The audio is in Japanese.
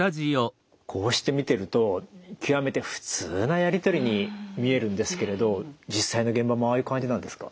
こうして見てると極めて普通なやり取りに見えるんですけれど実際の現場もああいう感じなんですか？